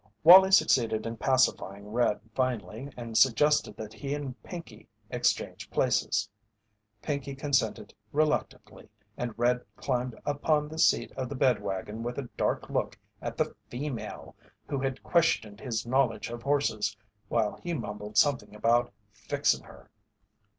Wallie succeeded in pacifying "Red" finally and suggested that he and Pinkey exchange places. Pinkey consented reluctantly, and "Red" climbed upon the seat of the bed wagon with a dark look at the "female" who had questioned his knowledge of horses, while he mumbled something about "fixin' her."